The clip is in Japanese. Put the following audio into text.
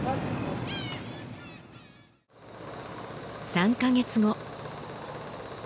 ３カ月後。